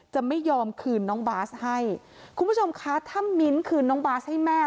จะไม่ยอมคืนน้องบาสให้คุณผู้ชมคะถ้ามิ้นท์คืนน้องบาสให้แม่